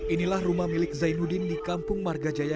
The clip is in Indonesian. inilah rumah milik zainuddin di kampung margajaya